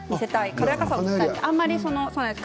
軽やかさを見せたいです。